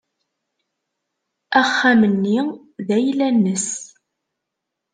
Axxam-nni d ayla-nnes.